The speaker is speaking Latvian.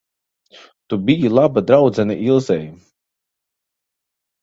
Tu biji laba draudzene Ilzei.